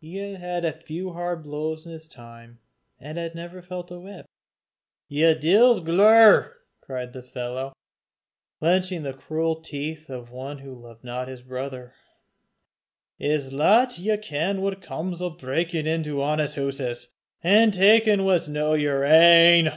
He had had few hard blows in his time, and had never felt a whip. "Ye deil's glaur!" cried the fellow, clenching the cruel teeth of one who loved not his brother, "I s' lat ye ken what comes o' brakin' into honest hooses, an' takin' what's no yer ain!"